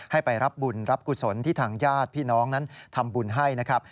ให้ไปรับบุญรับกุศลที่ทางญาติพี่น้องนั้นทำบุญให้นะครับ